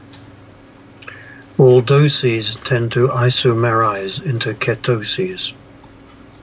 Aldoses tend to isomerise into ketoses.